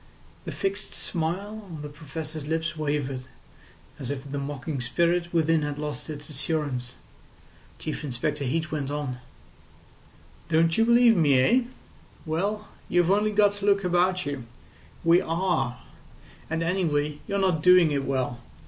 The fixed smile on the Professor's lips wavered, as if the mocking spirit within had lost its assurance. Chief Inspector Heat went on: "Don't you believe me eh? Well, you've only got to look about you. We are. And anyway, you're not doing it well.